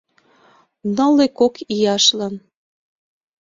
Нылле кок ияшлан!